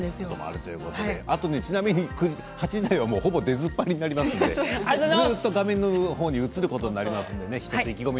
あと８時台はほぼ出ずっぱりになりますのでずっと画面に映ることになります